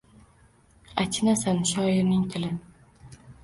Аchinasan, shoirning tili –